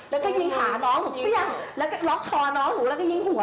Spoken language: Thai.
แล้วก็ยิงขาน้องแล้วก็ล็อกคอน้องแล้วก็ยิงหัว